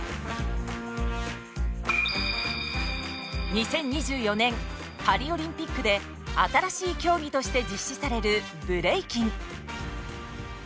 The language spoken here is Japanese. ２０２４年パリオリンピックで新しい競技として実施されるブレイキン。